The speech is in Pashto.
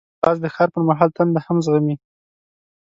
باز د ښکار پر مهال تنده هم زغمي